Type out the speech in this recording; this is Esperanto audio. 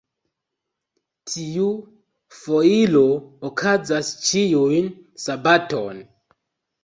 Tiu foiro okazas ĉiun sabaton.